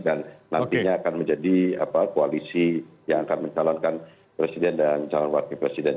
dan nantinya akan menjadi koalisi yang akan mencalonkan presiden dan calon wakil presiden